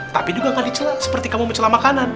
tapi juga gak dicela seperti kamu mencela makanan